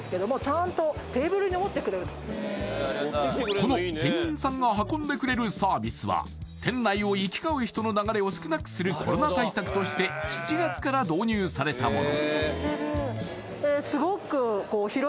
この店員さんが運んでくれるサービスは店内を行き交う人の流れを少なくするコロナ対策として７月から導入されたもの